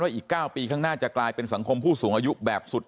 อีก๙ปีข้างหน้าจะกลายเป็นสังคมผู้สูงอายุแบบสุด